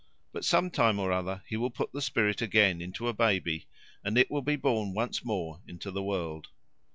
But sometime or other he will put the spirit again into a baby, and it will be born once more into the world.